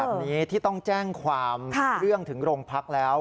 คือคุณครูบอกแบบนี้ที่ต้องแจ้งความเรื่องถึงโรงพักแล้ว